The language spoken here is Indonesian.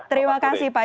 terima kasih pak